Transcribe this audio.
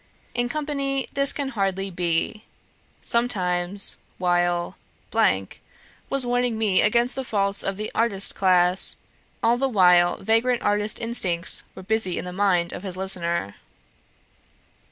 In company this can hardly be. Sometimes, while was warning me against the faults of the artist class, all the while vagrant artist instincts were busy in the mind of his listener.